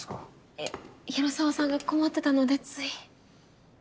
えっ広沢さんが困ってたのでつい。